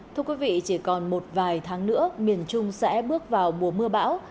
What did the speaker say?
thưa quý vị chỉ còn một vài tháng nữa miền trung sẽ bước vào mùa mưa bão